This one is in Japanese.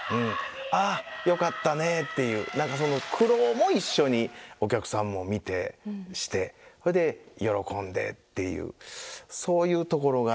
「ああよかったね」っていう何かその苦労も一緒にお客さんも見てしてそれで喜んでっていうそういうところが。